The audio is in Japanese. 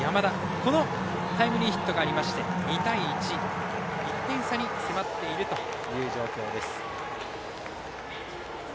このタイムリーヒットがあって２対１、１点差に迫っているという状況です。